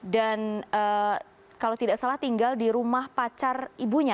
dan kalau tidak salah tinggal di rumah pacar ibunya